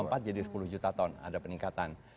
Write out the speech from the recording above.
enam empat menjadi sepuluh juta ton ada peningkatan